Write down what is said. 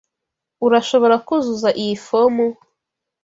Urashobora kuzuza iyi fomu?